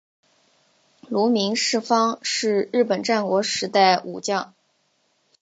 芦名氏方是日本战国时代武将。